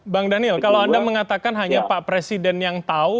bang daniel kalau anda mengatakan hanya pak presiden yang tahu